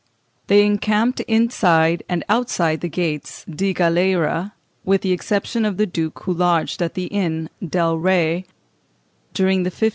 They encamped inside and outside the gate di Galiera, with the exception of the duke, who lodged at the inn del Re.